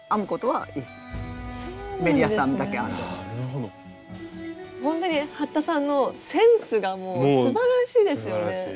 ほんとに服田さんのセンスがもうすばらしいですよね。